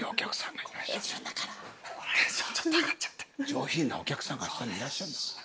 上品なお客さんが下にいらっしゃるんだから。